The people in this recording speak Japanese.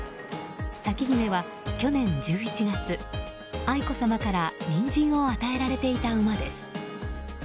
咲姫は去年１１月愛子さまからニンジンを与えられていた馬です。